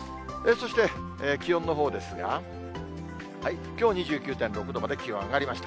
そして気温のほうですが、きょう２９．６度まで気温上がりました。